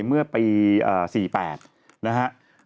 เมื่อปี๔๘นะฮะ